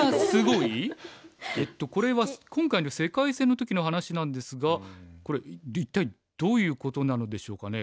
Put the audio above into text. えっとこれは今回の世界戦の時の話なんですがこれ一体どういうことなのでしょうかね。